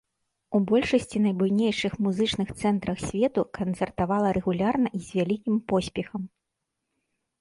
У большасці найбуйнейшых музычных цэнтрах свету канцэртавала рэгулярна і з вялікім поспехам.